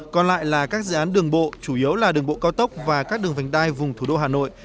còn lại là các dự án đường bộ chủ yếu là đường bộ cao tốc và các đường vành đai vùng thủ đô hà nội